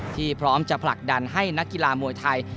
พร้อมจะผลักดันให้นักกีฬามวยไทย